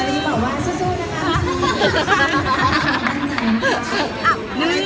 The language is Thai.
เอาใหม่